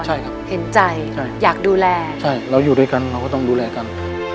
ใช่ครับเห็นใจอยากดูแลใช่เราอยู่ด้วยกันเราก็ต้องดูแลกัน